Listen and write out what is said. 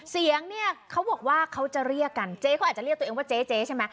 เสียงเนี่ยเขาบอกว่าเขาจะเรียกกันเจ๊เขาอาจจะเรียกตัวเองว่าเจ๊เจ๊ใช่ไหม